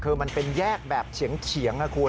คือมันเป็นแยกแบบเฉียงนะคุณ